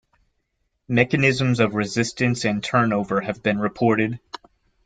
Mechanisms of resistance and turnover have been reported.